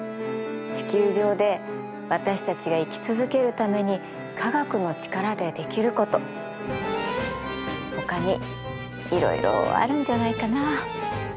地球上で私たちが生き続けるために科学の力でできることほかにいろいろあるんじゃないかな。